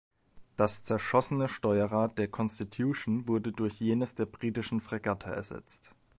Das zerschossene Steuerrad der "Constitution" wurde durch jenes der britischen Fregatte ersetzt.